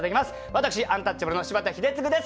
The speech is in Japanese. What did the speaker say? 私アンタッチャブルの柴田英嗣です。